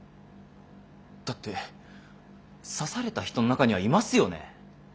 だって刺された人の中にはいますよね